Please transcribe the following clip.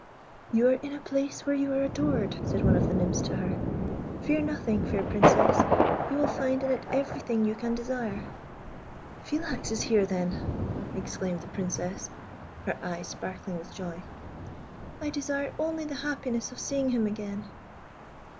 "You are in a place where you are adored," said one of the nymphs to her. "Fear nothing, fair Princess, you will find in it everything you can desire." "Philax is here, then!" exclaimed the Princess, her eyes sparkling with joy. "I desire only the happiness of seeing him again."